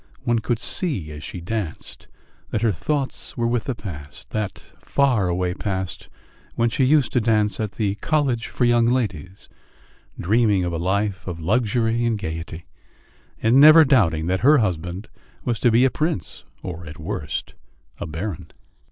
One could see as she danced that her thoughts were with the past, that faraway past when she used to dance at the "College for Young Ladies," dreaming of a life of luxury and gaiety, and never doubting that her husband was to be a prince or, at the worst, a baron.